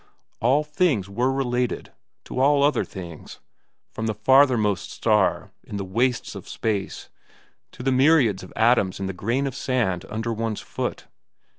All things were related to all other things from the farthermost star in the wastes of space to the myriads of atoms in the grain of sand under one's foot.